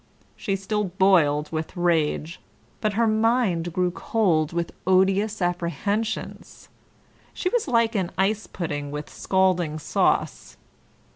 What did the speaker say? She still boiled with rage, but her mind grew cold with odious apprehensions. She was like an ice pudding with scalding sauce.